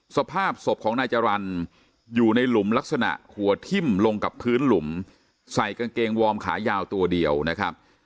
สภาพศพของนายจรรย์อยู่ในหลุมลักษณะหัวทิ้มลงกับพื้นหลุมใส่กางเกงวอร์มขายาวตัวเดียวนะครับ